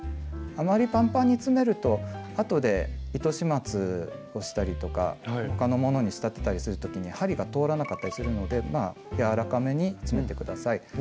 あまりパンパンに詰めるとあとで糸始末をしたりとか他のものに仕立てたりする時に針が通らなかったりするので柔らかめに詰めて下さい。